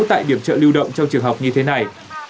tại điểm chợ lưu động trong trường học như thế này